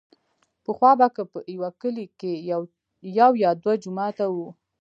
پخوا به که په يوه کلي کښې يو يا دوه جوماته وو.